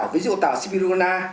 ví dụ tảo sipiruna